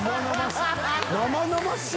生々しい！